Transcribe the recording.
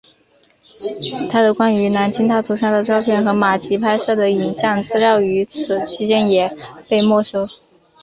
他的关于南京大屠杀的照片和马吉拍摄的影像资料与此期间也被没收。